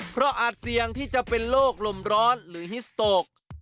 เพราะอาจเสี่ยงที่จะเป็นโรคลมร้อนหรือฮิสโตก